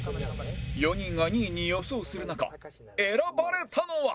４人が２位に予想する中選ばれたのは